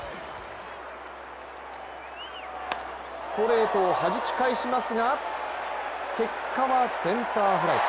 ストレートをはじき返しますが結果はセンターフライ。